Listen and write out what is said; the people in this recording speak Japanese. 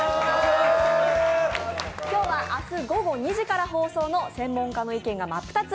今日は明日午後２時から放送の「専門家の意見が真っ二つ！